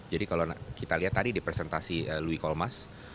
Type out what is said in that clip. jadi kalau kita lihat tadi di presentasi louis colmas